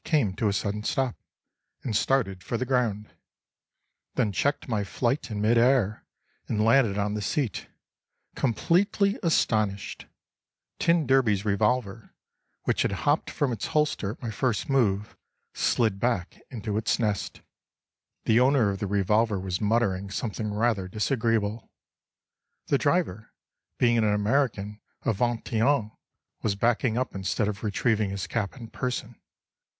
came to a sudden stop, and started for the ground—then checked my flight in mid air and landed on the seat, completely astonished. T d's revolver, which had hopped from its holster at my first move, slid back into its nest. The owner of the revolver was muttering something rather disagreeable. The driver (being an American of Vingt et Un) was backing up instead of retrieving his cap in person.